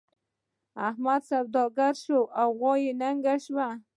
احمد چې سوداګر شو؛ غوا يې لنګه شوه.